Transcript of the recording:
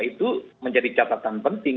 itu menjadi catatan penting